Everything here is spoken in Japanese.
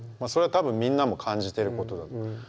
それはたぶんみんなも感じてることだと。